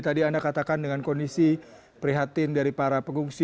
tadi anda katakan dengan kondisi prihatin dari para pengungsi